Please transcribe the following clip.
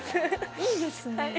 いいですね。